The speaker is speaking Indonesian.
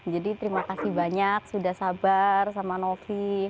jadi terima kasih banyak sudah sabar sama novi